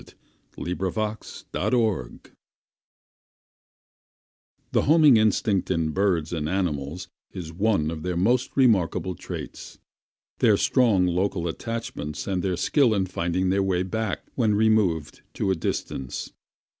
I THE WIT OF A DUCK The homing instinct in birds and animals is one of their most remarkable traits: their strong local attachments and their skill in finding their way back when removed to a distance.